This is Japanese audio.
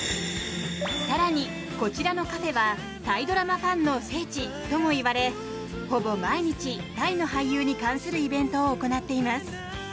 更に、こちらのカフェはタイドラマファンの聖地ともいわれほぼ毎日、タイの俳優に関するイベントを行っています。